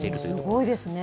すごいですね。